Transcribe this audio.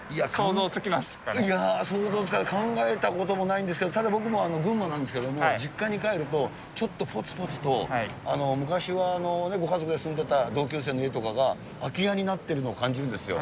いや、想像つかない、考えたこともないんですけど、ただ、僕も群馬なんですけれども、実家に帰るとちょっとぽつぽつと昔はご家族で住んでた同級生の家とかが、空き家になってるのを感じるんですよ。